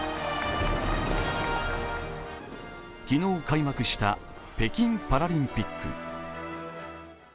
昨日開幕した北京パラリンピック。